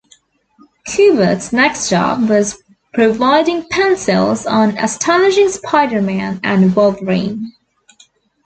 Kubert's next job was providing pencils on "Astonishing Spider-Man and Wolverine".